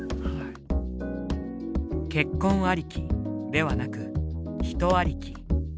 結婚ありきではなく人ありき。